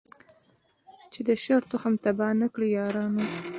چي د شر تخم تباه نه کړی یارانو